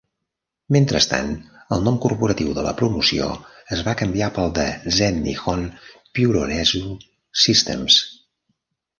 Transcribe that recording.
Mentrestant, el nom corporatiu de la promoció es va canviar pel de "Zen Nihon Puroresu Systems".